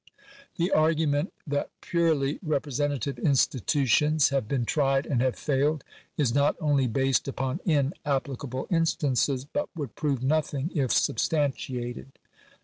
The argu ment that purely representative institutions have been tried and have failed, is not only based upon inapplicable instances, but would prove nothing if substantiated.